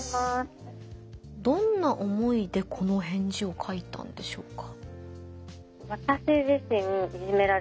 どんな思いでこの返事を書いたんでしょうか？